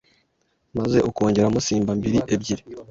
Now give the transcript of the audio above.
maze ukongeramo Simba mbili ebyiri